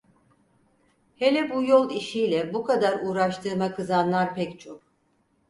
Hele bu yol işiyle bu kadar uğraştığıma kızanlar pek çok.